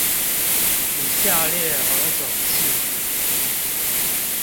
與下列何種氣體